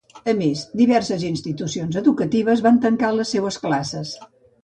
A més, diverses institucions educatives van tancar les seues classes.